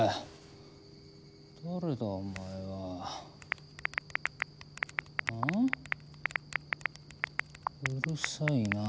誰だお前は。あ？うるさいなあ。